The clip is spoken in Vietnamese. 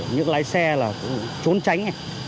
những lái xe trốn tránh